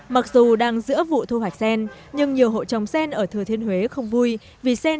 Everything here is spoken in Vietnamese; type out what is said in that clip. mặc dù đang giữa vụ thu hoạch sen nhưng nhiều hộ trồng sen ở thừa thiên huế không vui vì sen